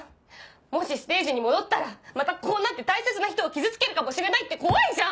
もしステージに戻ったらまたこうなって大切な人を傷つけるかもしれないって怖いじゃん！